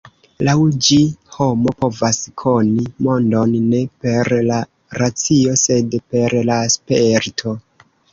Laŭ ĝi homo povas koni mondon ne per la racio sed per la sperto.